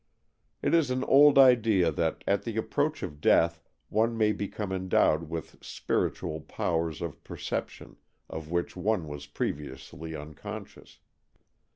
It is an old idea that at the approach of death one may become endowed with spiritual powers of perception, of which one was previously unconscious.